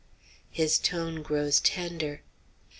His tone grows tender.